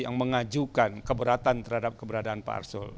yang mengajukan keberatan terhadap keberadaan pak arsul